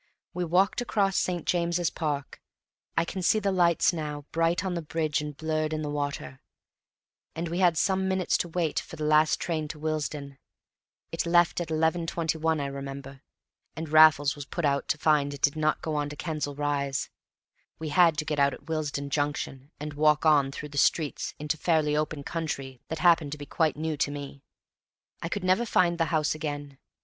We walked across St. James's Park (I can see the lights now, bright on the bridge and blurred in the water), and we had some minutes to wait for the last train to Willesden. It left at 11.21, I remember, and Raffles was put out to find it did not go on to Kensal Rise. We had to get out at Willesden Junction and walk on through the streets into fairly open country that happened to be quite new to me. I could never find the house again.